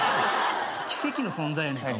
奇跡の存在やないか。